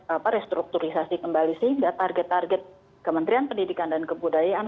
apa restrukturisasi kembali sehingga target target kementerian pendidikan dan kebudayaan